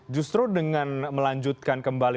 justru dengan melanjutkan kembali